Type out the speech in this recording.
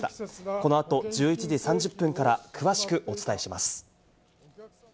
この後、１１時３０分から詳しくお伝えします。